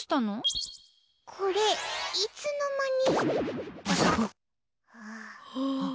これ、いつの間に。